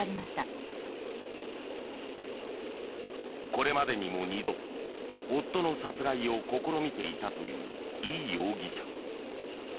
これまでにも２度夫の殺害を試みていたというイ容疑者。